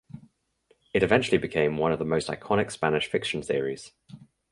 It eventually became one of the most iconic Spanish fiction series.